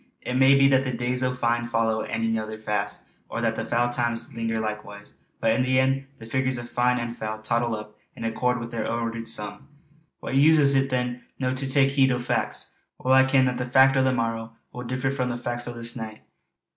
It may be that the days o' fine follow ane anither fast; or that the foul times linger likewise. But in the end, the figures of fine and foul tottle up, in accord wi' their ordered sum. What use is it, then, to no tak' heed o' fac's? Weel I ken, that the fac' o' the morrow will differ sair frae the fac's o' this nicht.